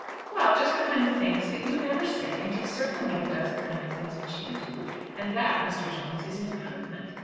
"Well; just the kind of things that you never say. And he certainly never does the kind of things which you do; and that, Mr. Jones, is an improvement.